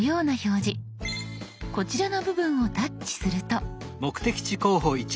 こちらの部分をタッチすると。